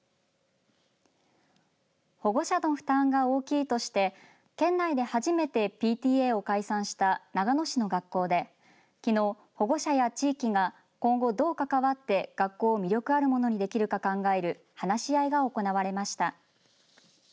保護者の負担が大きいとして県内で初めてＰＴＡを解散した長野市の学校で、きのう保護者や地域が今後どう関わって学校を魅力あるものにできるか考える話し合いが行われました。